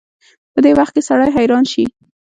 په دې وخت کې سړی حيران شي.